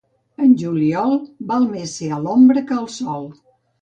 En juliol, val més ser a l'ombra que al sol.